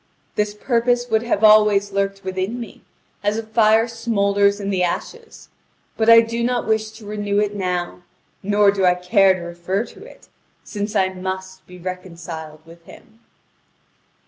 This purpose would have always lurked within me, as a fire smoulders in the ashes; but I do not wish to renew it now, nor do I care to refer to it, since I must be reconciled with him."